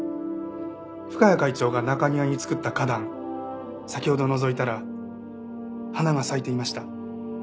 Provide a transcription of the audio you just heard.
深谷会長が中庭に作った花壇先ほどのぞいたら花が咲いていました。